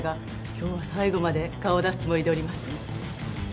今日は最後まで顔を出すつもりでおります。